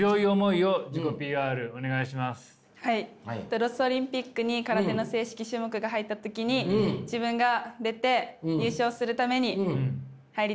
ロスオリンピックに空手の正式種目が入った時に自分が出て優勝するために入りたいです。